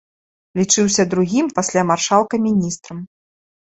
Лічыўся другім пасля маршалка міністрам.